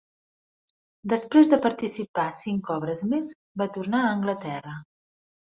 Després de participar cinc obres més, va tornar a Anglaterra.